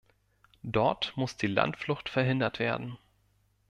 Dort muss die Landflucht verhindert werden.